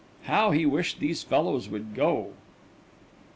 How he wished these fellows would go!